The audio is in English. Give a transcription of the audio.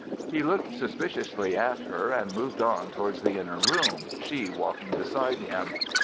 He looked suspiciously at her and moved on towards the inner room, she walking beside him.